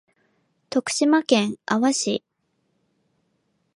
徳島県阿波市